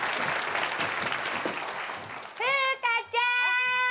風花ちゃん！